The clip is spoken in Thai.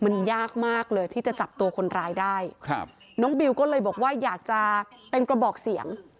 มันยากมากเลยที่จะจับตัวคนร้ายได้ครับน้องบิวก็เลยบอกว่าอยากจะเป็นกระบอกเสียง